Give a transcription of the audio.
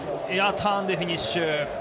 エアターンでフィニッシュ。